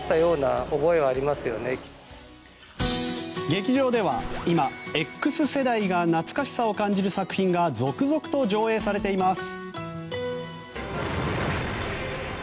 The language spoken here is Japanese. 劇場では今Ｘ世代が懐かしさを感じる作品が続々と上映されています。